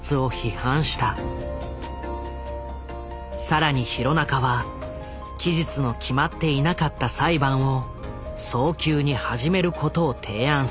更に弘中は期日の決まっていなかった裁判を早急に始めることを提案する。